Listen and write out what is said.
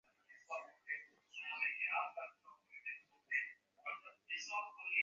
সম্ভবত সেই সমন্বয়ের ভাব আমার ভিতরেও কিছুটা আসিয়াছে।